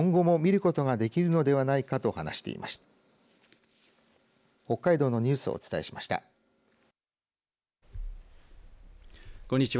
こんにちは。